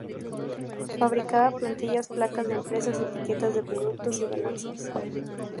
Fabricaba plantillas, placas de empresas, etiquetas de productos y balanzas.